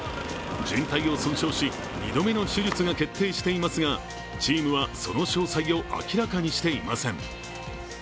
じん帯を損傷し、２度目の手術が決定していますがチームはその詳細を明らかにしていません。